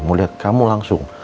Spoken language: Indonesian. mau liat kamu langsung